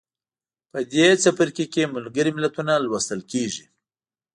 په دې څپرکي کې ملګري ملتونه لوستل کیږي.